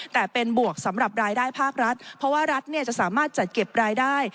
แต่เป็นบวกสำหรับรายได้ภาครัฐเพราะว่ารัฐจะสามารถจัดเก็บรายได้